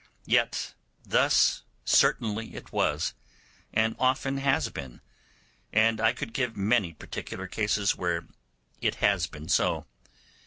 Yet thus certainly it was, and often has been, and I could give many particular cases where it has been so.